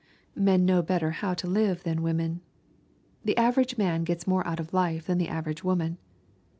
Men know better how to live than women. The average man gets more out of life than the average woman.